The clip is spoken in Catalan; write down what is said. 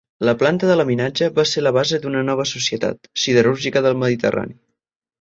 La planta de laminatge va ser la base d'una nova societat, Siderúrgica del Mediterrani.